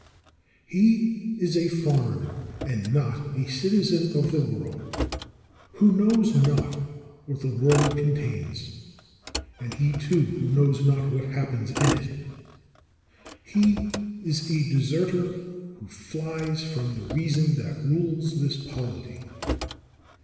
29. He is a foreigner, and not a citizen of the world, who knows not what the world contains; and he, too, who knows not what happens in it. He is a deserter who flies from the reason that rules this polity.